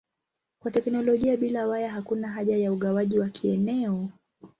Kwa teknolojia bila waya hakuna haja ya ugawaji wa kieneo.